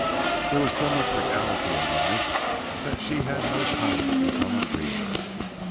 There was so much reality in life that she had no time to become a dreamer.